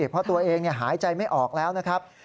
เพราะตัวเองหายใจไม่ออกแล้วนะครับ